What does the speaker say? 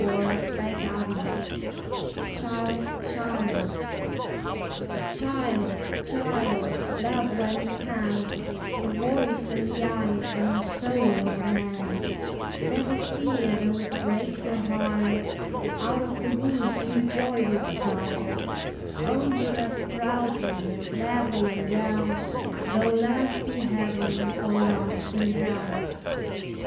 Child, Child Child, child, love while you can The voice and the eyes and the soul of a man; Never fear though it break your heart Out of the wound new joy will start; Only love proudly and gladly and well, Though love be heaven or love be hell.